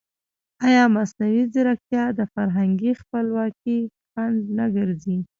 ایا مصنوعي ځیرکتیا د فرهنګي خپلواکۍ خنډ نه ګرځي؟